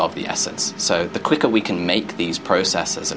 jadi semakin cepat kita bisa membuat proses ini